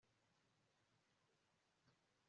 tom ari kuri nijoro muri iki cyumweru